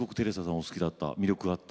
お好きだった魅力があった。